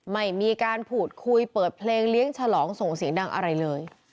ไม่มีการพูดคุยเปิดเพลงเลี้ยงฉลองส่งเสียงดังอะไรเลย